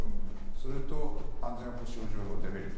それと安全保障上のデメリット